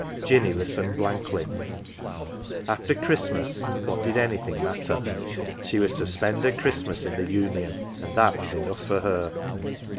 "" Jinny listened blankly after Christmas what did anything matter? She was to spend her Christmas in the Union and that was enough for her.